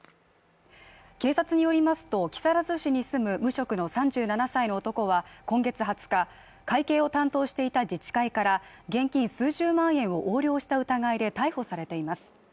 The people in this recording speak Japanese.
警察によりますと、木更津市に住む無職の３７歳の男は今月２０日会計を担当していた自治会から現金数十万円を横領した疑いで逮捕されています。